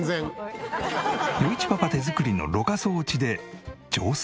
余一パパ手作りのろ過装置で浄水。